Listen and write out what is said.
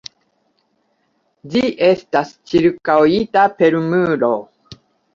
Ĝi estas ĉirkaŭita per muro.